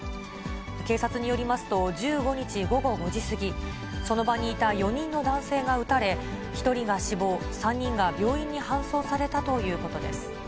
警察によりますと、１５日午後５時過ぎ、その場にいた４人の男性が撃たれ、１人が死亡、３人が病院に搬送されたということです。